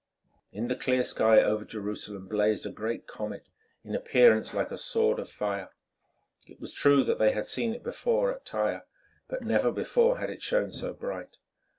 In the clear sky over Jerusalem blazed a great comet, in appearance like a sword of fire. It was true that they had seen it before at Tyre, but never before had it shown so bright.